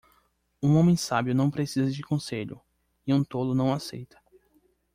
Um homem sábio não precisa de conselho, e um tolo não aceita.